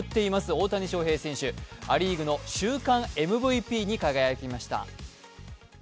大谷翔平選手、ア・リーグの週間ＭＶＰに輝きました。